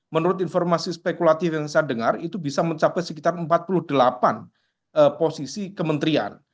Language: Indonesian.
menurut informasi spekulatif yang saya dengar itu bisa mencapai sekitar empat puluh delapan posisi kementerian